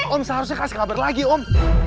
om seharusnya kasih kabar lagi om